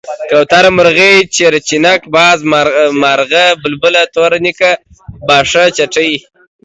کوتره، مرغۍ، چيرچيڼک، باز، مارغه ،بلبله، توره ڼکه، باښه، چتی،